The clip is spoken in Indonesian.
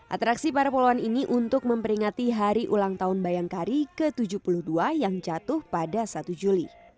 atraksi para poluan ini untuk memperingati hari ulang tahun bayangkari ke tujuh puluh dua yang jatuh pada satu juli